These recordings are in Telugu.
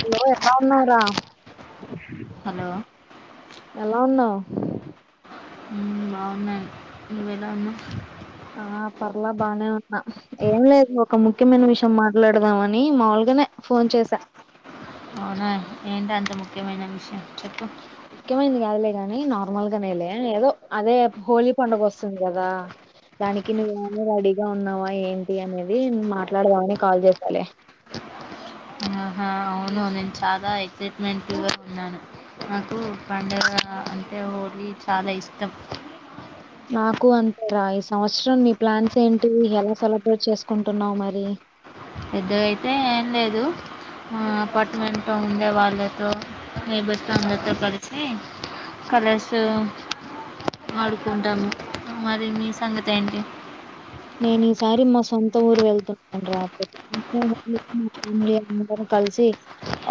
హలో ఎలా ఉన్నావు రా హలో ఎలా ఉన్నావ్? మ్ బాగున్నాను, నువ్వెలా ఉన్నవ్? ఆ పర్ల బానే ఉన్నా. ఏం లేదు ఒక ముఖ్యమైన విషయం మాట్లాడదాం అని మాముల్గనే ఫోన్ చేసా. అవునా అండి ఏంటి అంత ముఖ్యమైన విషయం చెప్పు. ముఖ్యమైన్ది కాదులే గాని నార్మల్ గనేలే ఏదో అదే హోలీ పండగ వస్తుంది కదా దానికి నువ్వేమన్న రెడీగా ఉన్నావా ఏంటి అనేది మాట్లాడదామని కాల్ జేసాలె ఆహా అవును నేను చాలా ఎక్సైట్మెంట్గ ఉన్నాను నాకు పండగ అంటే హోలీ చాలా ఇష్టం నాకు అంతేరా ఈ సంవత్సరం నీ ప్లాన్స్ ఏంటి, ఎలా సెలబ్రేట్ చేసుకుంటున్నావ్ మరి పెద్దగయితే ఏం లేదు ఆ అపార్ట్మెంట్లొ ఉండే వాళ్ళతో లేేబర్తో అందరితో కలిసి కలర్స్ ఆడుకుంటాము మరి నీ సంగతి ఏంటి నేనీసారి మా సొంత ఊరు వెళ్తున్నాన్రా పో మా ఫ్యామిలీ అందరూ కలిసి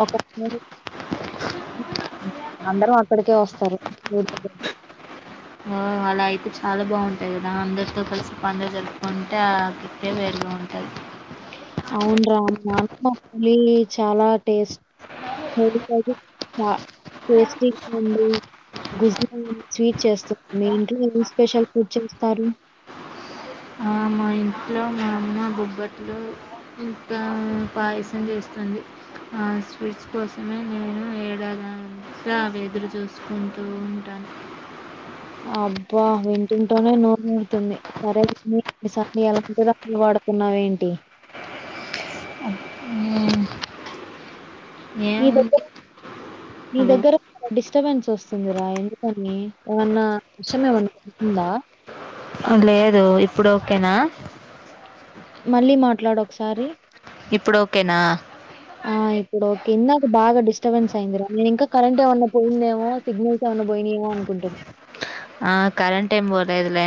ఒక [unintelligible] అందరు అక్కడికే వస్తారు గేట్ దగ్గరికె ఓ అలా అయితే చాలా బాగుంటది కదా అందరితో కలిసి పండగ జరుపుకుంటే ఆ కిక్కే వేరుగ ఉంటది అవును రా మా ఆంధ్రకేలి చాలా టేస్ చ టేస్టిగుంది గుజ [unintelligible] స్వీట్ చేస్త మీ ఇంట్లో ఏం స్పెషల్ ఫుడ్ చేస్తారు ఆ మా ఇంట్ ఇంట్లో మా అమ్మ బొబ్బట్లు ఇంకా పాయసం చేస్తుంది ఆ స్వీట్స్ కోసమే నేను ఏడాదంత ఎదురు చూస్ కుంటూ ఉంటాను అబ్బా వింటుంటోనే నోరు వూరుతుంది సరేన్ని ఈసారి ఎలాంటి రకాలు వాడుతున్నావేంటి నీ దగ్గర ఏముంది నీ హలో దగ్గర డిస్టర్బెన్స్ వస్తుందిరా ఎందుకనీ ఏమన్నా వర్షమేమన్నా ఉందా లేదు ఇప్పుడు ఓకేనా మళ్ళీ మాట్లాడు ఒకసారి ఇప్పుడు ఓకేనా ఆ ఇప్పుడు ఓకే ఇందాక బాగా డిస్టర్బెన్స్ అయిందిరా నేనింకా కరెంట్ ఏమన్న పోయిందేమో సిగ్నల్స్ ఏమన్న పోయినయేమో అనుకుంటున్ ఆ కరంటెం పోలేదులే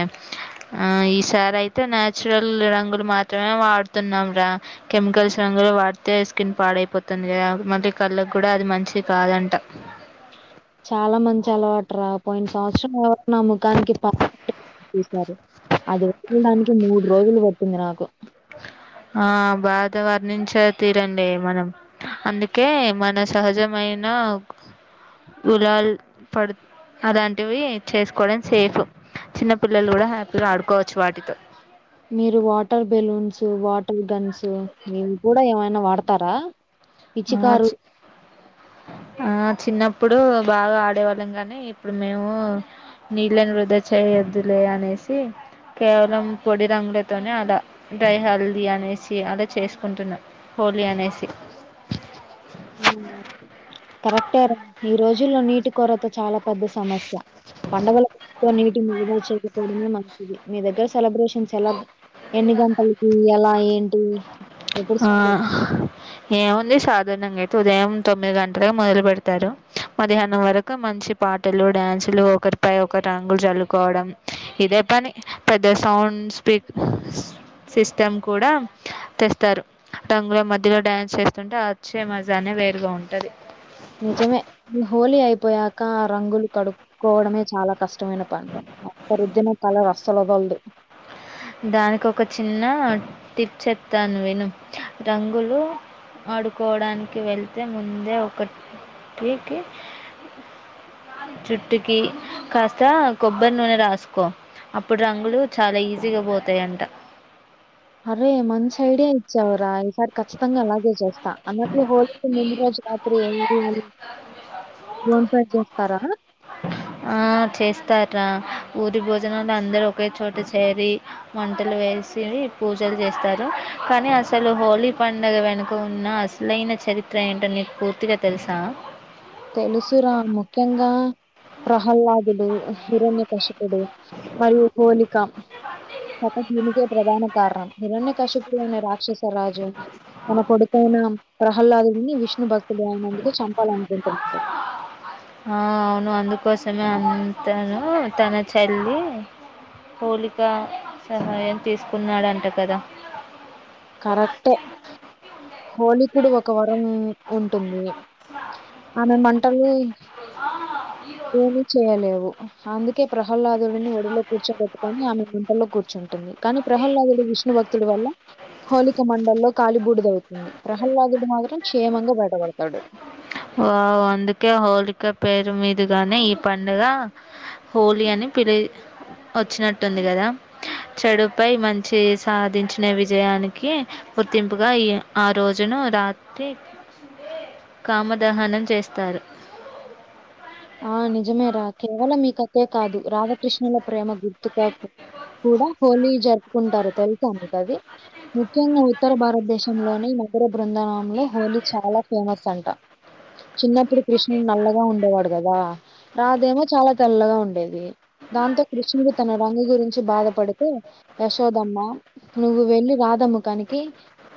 ఆ ఈసారయితే నాచురల్ రంగులు మాత్రమే వాడుతున్నాం రా కెమికల్స్ రంగులు వాడితే స్కిన్ పాడైపోతుంది కదా మళ్ళీ కళ్ళక్కుడా అది మంచిది కాదంట చాలా మంచి అలవాటురా పోయిన సంవత్సరమే నా ముఖానికి పూసారు అది వెళ్డానికి మూడు రోజులు పట్టింది నాకు ఆ బాధ వర్ణించే తీరండి మనం అందుకే మన సహజమైన గులాలు పడుత్ అలాంటివి చేసుకోవడం సేఫ్ చిన్న పిల్లలు కూడ హ్యాపీగా ఆడుకోవచ్చు వాటితో మీరు వాటర్ బెలూన్స్, వాటర్ గన్స్ ఇవి కూడా ఏమైనా వాడతారా ఆ చ్ [unintelligible] ఆ చిన్నప్పుడు బాగా ఆడేవాళ్ళం గాని ఇప్పుడు మేము నీళ్ళని వృధా చేయోద్దులే అనేసి కేవలం పొడి రంగులతోనే అలా డ్రై హల్దీ అనేసి అలా చేసుకుంటున్న హోలీ అనేసి కరెక్టే ఈ రోజుల్లో నీటి కొరత చాలా పెద్ద సమస్య పండగల నీటి [inaudible] చేయకకోవడమే నాకు మంచిది మీ దగ్గర సెలబ్రేషన్స్ ఎలాగ ఎన్ని గంటలకి ఎలా ఏంటి ఎప్పుడు ఆ స్టార్ట్ అవు ఏముంది సాధారణంగా అయితే ఉదయం తొమ్మిది గంటలుగా మొదలు పెడతారు మధ్యాహ్నం వరకు మంచి పాటలు డ్యాన్సులు ఒకరిపై ఒకరు రంగులు చల్లుకోవడం ఇదే పని పెద్ద సౌండ్ స్పీక్ సిస్టమ్ కూడా తెస్తారు రంగుల మధ్యలో డ్యాన్స్ చేస్తుంటే వచ్చే మజానే వేరుగా ఉంటది నిజమే హోలీ అయిపోయాక ఆ రంగులు కడు కోవడమే చాలా కష్టమైన పంట అక్కరిద్ద్దిన కాల వసలు వదలదు దానికి ఒక చిన్న టిప్ చెప్తాను విను రంగులు ఆడుకోవడానికి వెళ్తే ముందే ఒక టికి [unintelligible] జుట్టుకి కాస్త కొబ్బరి నూనె రాసుకో అప్పుడు రంగులు చాలా ఈజీ ఈజీ గబోతాయంట అరే మంచి ఐడియా ఇచ్చావు రా ఈసారి ఖచ్చితంగా అలాగే చేస్త అన్నట్టు హోలి ముందు రోజు రాత్రి [inaudible] ఫోన్ పే చేస్తారా ఆ చేస్తార్రా ఊరి భోజనంలో అందరు ఒకే చోట చేరి వంటలు వేసి పూజలు చేస్తారు కానీ అసలు హోలీ పండుగ వెనుక ఉన్న లైన చరిత్ర ఏంటని నీకు పూర్తిగా తెలుసా తెలుసు రా ముఖ్యంగా ప్రహ్లాదుడు హిరణ్య కశిపుడు ఎప్పుడు మరి హోలి కం అ దీనికే ప్రధాన కారణం హిరణ్య కశిపుడు అనే రాక్షస రాజు తన కొడుకైన ప్రహ్లాదుని విష్ణు భక్తులు అయినందుకు చంపాలనుకుంటురు ఆ అవును అందు కోసమే అంతాను తన చెల్లి పోలిక సహాయం తీసుకున్నాడంట కదా కరెక్టే హోలీ కూడా ఒక వరం ఉంటుంది ఆమె మంటలు ఆ ఈ రోజు ఏమీ చేయలేవు అందుకే ప్రహ్లాదుడిని ఒడిలో కూర్చోబెట్టుకని ఆమె వల్లో కూర్చుంటుంది కానీ ప్రహ్లాదుడు విష్ణు భక్తుడి వల్ల హోలిక మండల్లో కాలి బూడిద అవుతుంది ప్రహ్లాదుడు మాత్రం క్షేమంగా బయటపడతాడు ఓ అందుకే హోలిక పేరు మీదు గాని ఈ పండుగ హోలీ అని పిలి వచ్చినట్టుంది కదా చెడు పై మంచి సాధించిన విజయానికి గుర్తింపుగా ఈ ఆ రోజును రాత్రి కామదహనం చేస్తారు ఆ నిజమే రా కేవలం మీ కతే కాదు రామకృష్ణుల ప్రేమ గుర్తు గా కూడా హోలీ జరుపుకుంటారు తెలుసా మీకు అది ముఖ్యంగా ఉత్తర భారతదేశంలోనే పర బృందనంలో హోలీ చాలా ఫేమస్ అంట చిన్నప్పుడు కృష్ణుడు నల్లగా ఉండేవాడు కదా రాదేమో చాలా తెల్లగా ఉండేది దాంతో కృష్ణుడు తన రంగు గురించి బాధపడుతూ యశోదమ్మ నువ్వు వెళ్ళి రాదమ్మకానికి.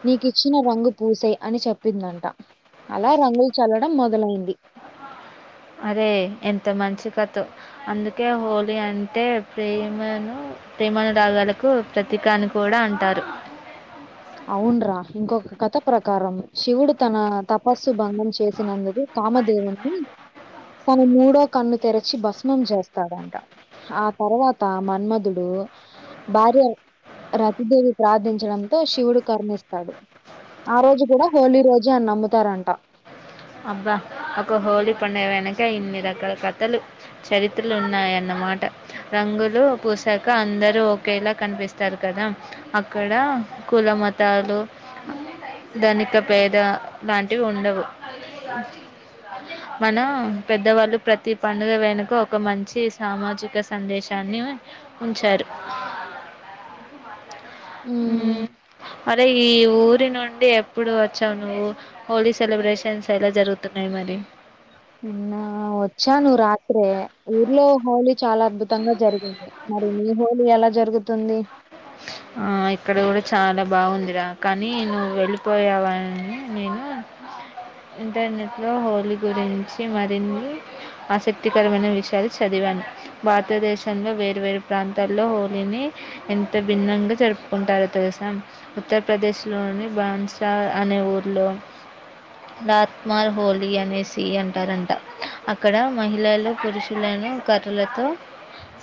నీకిచ్చిన రంగు, పూసే అని చెప్పిందంట. అలా రంగులు చల్లడం మొదలైంది. అరే ఎంత మంచి కథో, అందుకే హోలీ అంటే ప్రేమను. ప్రేమానురాగాలకు ప్రతీకా అని కూడా అంటారు. అవున్రా ఇంకొక కథ ప్రకారం శివుడు తన తపస్సు భంగం చేసినందుకు. కామదేవున్ని తన మూడో కన్ను తెరిచి భస్మం చేస్తాడంట. ఆ తర్వాత మన్మధుడు. భార్య రతిదేవి ప్రార్థించడంతో. శివుడు కర్ణిస్తాడు ఆ రోజు కూడా హోలీ రోజే అని నమ్ముతారంట. అబ్బా ఒక హోలీ పండగ వెనక ఇన్ని రకాల కథలు. చరిత్రలు ఉన్నాయన్నమాట. రంగులు పూశాక అందరూ ఒకేలా కనిపిస్తారు కదా. అక్కడ కుల మతాలు. ధనిక పేద లాంటివి ఉండవు. గాజి మనం పెద్దవాళ్ళు ప్రతి పండుగ వెనుక ఒక మంచి సామాజిక. సందేశాన్ని ఉంచారు. ఉ ఉ అరే ఈ ఊరి నుండి ఎప్పుడు వచ్చావు నువ్వు. హోలీ సెలబ్రేషన్స్ ఎలా జరుగుతున్నాయి మరి. నిన్న వచ్చాను రాత్రే ఊర్లో హోలీ చాలా అద్భుతంగా జరిగింది. మరి మీ హోలీ ఎలా జరుగుతుంది. ఆ ఇక్కడ కూడా చాలా బాగుందిరా కానీ నువ్వు వెళ్ళిపోయావని నేను. ఇంటర్నెట్ లో హోలీ గురించి మరిన్ని. ఆసక్తికరమైన విషయాలు చదివాను. భారతదేశంలో వేరు వేరు ప్రాంతాల్లో హోలీని ఎం త భిన్నంగా జరుపుకుంటారు తెల్సా. ఉత్తరప్రదేశ్లోని బాన్సా అనే ఊర్లో. తత్మార్ హోలీ అనేసి అంటారంట అక్కడ మహిళలు పురుషులలను. కర్రలతో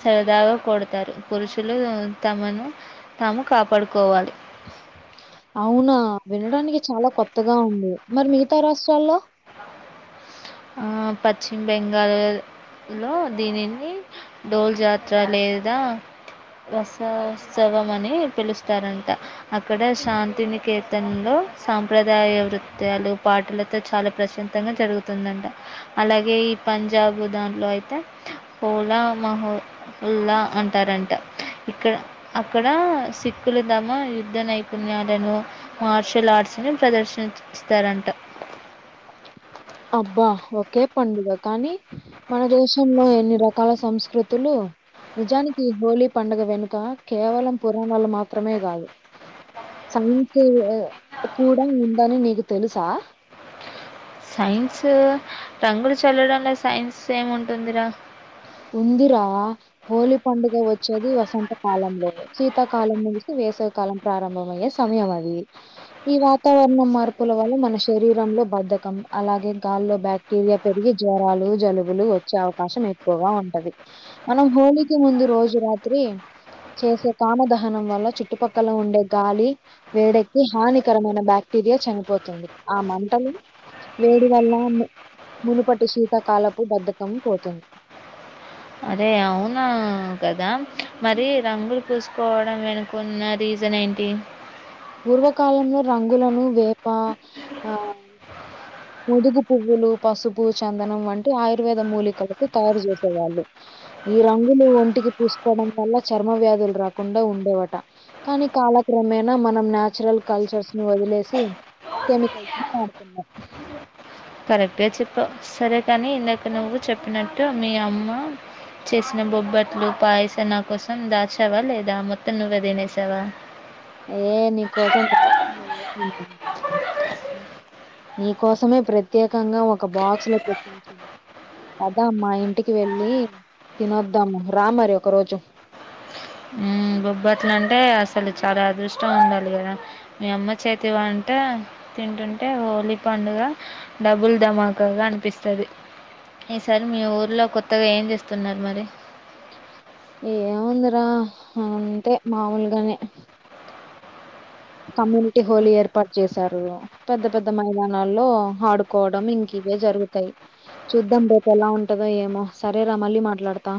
సరదాగా కొడతారు పురుషులు తమను. తాము కాపాడుకోవాలి. అవునా వినడానికి చాలా కొత్తగా ఉంది మరి మిగతా రాష్ట్రాల్లో. ఆ పశ్చిమ బెంగాల్. లో దీనిని డోల్ జాతర, లేదా. వసోత్సవం అని పిలుస్తారంట. అక్కడ శాంతనికేతన్లో సాంప్రదాయ వృత్యాలు పాటలతో చాలా ప్రసిద్ జరుగుతుందంట అలాగే ఈ పంజాబ్ దాంట్లో అయితే. పోలా మహో ల్లా అంటారంట ఇక్కడ. అక్కడ సిక్కులు తమ యుద్ధ నైపుణ్యాలను. మార్షల్ ఆర్ట్స్ ని ప్రదర్శిస్తారంట అబ్బా ఒకే పండుగ కానీ. మన దేశంలో ఎన్ని రకాల సంస్కృతులు. నిజానికి హోలీ పండుగ వెనుక కేవలం పురాణాలు మాత్రమే కాదు. సైన్స్ కూడా ఉందని నీకు తెలుసా సైన్స్ రంగులు చల్లడంలో సైన్స్ ఏముంటుందిరా ఉందిరా హోలీ పండుగ వచ్చేది వసంత కాలంలోనే శీతాకాలం ముగిసి వేసవికాలం ప్రారంభమయ్యే సమయం అది ఈ వాతావరణం మార్పుల వల్ల మన శరీరంలో బద్ధకం అలాగే గాల్లో బ్యాక్ క్టీరియా పెరిగి జ్వరాలు జలుబులు వచ్చే అవకాశం ఎ క్కువగా ఉంటది మనం హోలీకి ముందు రోజు రాత్రి చేసే కామ దహనం వల్ల చుట్టుపక్కల ఉండే గాలి వేడెక్కి హానికరమైన బాక్టీరియా చనిపోతుంది ఆ మంటని వేడి వల్ల ము మునుపటి శీతకాలపు బద్ధకం పోతుంది అదే అవునా కదా మరి రంగులు పూసుకోవడం వెనుక కున్న రీజన్ ఏంటి పూర్వకాలంలో రంగులను వేప ఆ ముదుగు పువ్వులు పసుపు చందనం వంటి ఆయుర్వేద మూలికలతో తయారు చేసేవాళ్ళు ఈ రంగులు ఒంటికి పూసుకోవడం వల్ల చర్మ వ్యాధులు రాకుండా ఉండేవాట కానీ కాలక్రమేనా మ నం న్యాచురల్ కల్చర్స్ ను వదిలేసి కెమికల్స్ ను వాడుతున్నం కరెక్టగా చెప్పా సరే కానీ ఇందాక నువ్వు చెప్పినట్టు మీ అమ్మ చేసిన బొబ్బట్లు పాయసం నా కోసం దాచావా లేదా మొత్తం నువ్వే తినేసావా ఏ నీ కోసం దచక [unintelligible] నీ కోసమే ప్రత్యేకంగా ఒక బాక్స్ లో పెట్టి ఉంచాను పదమ్మ ఇంటికి వెళ్ళి తినొద్దాం రా మరి ఒకరోజు మ్ బొబ్బట్లు అంటే అసలు చాలా అదృష్టం ఉండాలి కదా మీ అమ్మ చేతి వంట తింటుంటే హోలీ పండుగ డబుల్ ధమాకాగా అనిపిస్తది ఈ సారి మీ ఊర్లో కొత్తగా ఏం చేస్తున్నారు మరి ఏముందిరా అ అంతే మాముూలుగానే కమ్యూనిటీ హోలీ ఏర్పాటు చేశారు పెద్ద పెద్ద మైదానాల్లో ఆడుకోవడం ఇంక ఇవే జరుగుతాయి చూద్దాం రేపు ఎలా ఉంటదో ఏమో సరేరా మళ్ళీ మాట్లాడుతా